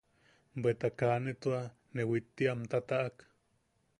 Bweta kaa ne tua ne witti am taʼak.